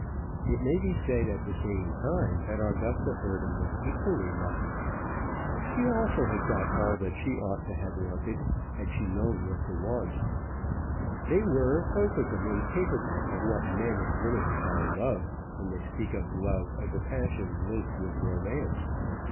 It may be said at the same time that Augusta Eardham was equally lucky. She also had gotten all that she ought to have wanted, had she known what to want. They were both of them incapable of what men and women call love when they speak of love as a passion linked with romance.